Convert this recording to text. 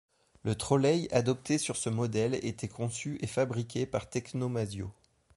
Le trolley adopté sur ce modèle était conçu et fabriqué par Tecnomasio.